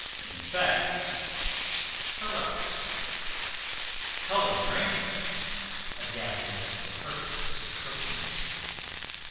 Infects, corrupts. Culinary, adapted to the purposes of cooking.